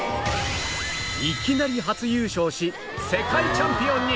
いきなり初優勝し世界チャンピオンに！